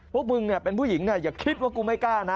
พวกมึงเป็นผู้หญิงอย่าคิดว่ากูไม่กล้านะ